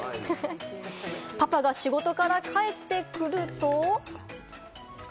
パパが仕事から帰ってくると。